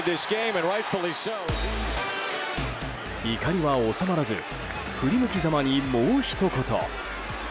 怒りは収まらず振り向きざまに、もうひと言。